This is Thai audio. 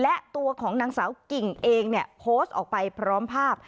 และตัวของนางสาวกิ่งเองเนี่ยโพสต์ออกไปพร้อมภาพ